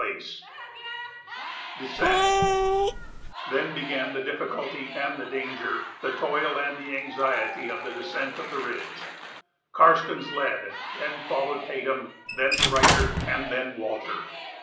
[Sidenote: Descent] Then began the difficulty and the danger, the toil and the anxiety, of the descent of the ridge. Karstens led, then followed Tatum, then the writer, and then Walter.